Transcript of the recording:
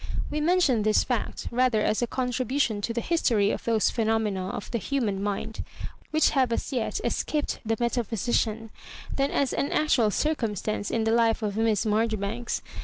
We mention this fact rather as a contribution to the history of those phenomena of the human mind, which have as yet escaped the meta physician, than as an actual circumstance i^ the life of Miss Marjoribanks.